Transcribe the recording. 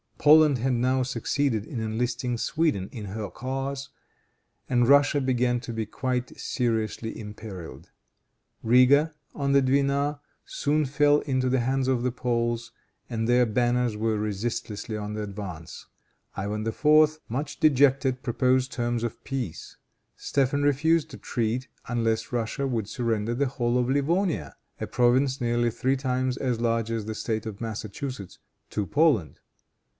Poland had now succeeded in enlisting Sweden in her cause, and Russia began to be quite seriously imperiled. Riga, on the Dwina, soon fell into the hands of the Poles, and their banners were resistlessly on the advance. Ivan IV., much dejected, proposed terms of peace. Stephen refused to treat unless Russia would surrender the whole of Livonia, a province nearly three times as large as the State of Massachusetts, to Poland.